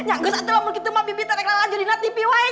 aduh kamu bisa menonton di tv saja